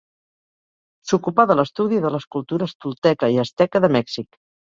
S'ocupà de l'estudi de les cultures tolteca i asteca de Mèxic.